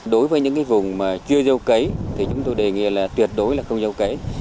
đối với những cái vùng mà chưa gieo cấy thì chúng tôi đề nghị là tuyệt đối là không gieo cấy